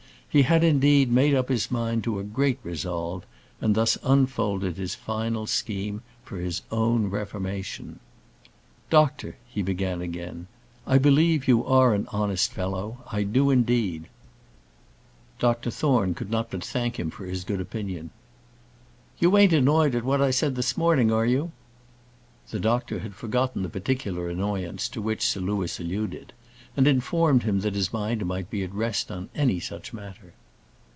He had, indeed, made up his mind to a great resolve; and thus unfolded his final scheme for his own reformation: "Doctor," he began again, "I believe you are an honest fellow; I do indeed." Dr Thorne could not but thank him for his good opinion. "You ain't annoyed at what I said this morning, are you?" The doctor had forgotten the particular annoyance to which Sir Louis alluded; and informed him that his mind might be at rest on any such matter.